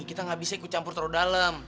kita nggak bisa ikut campur terlalu dalam